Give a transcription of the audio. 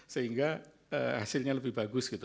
sehingga hasilnya lebih bagus gitu